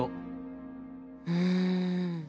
うん。